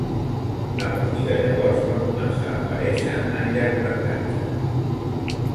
A partir de llavors, va començar a aparèixer en llargmetratges.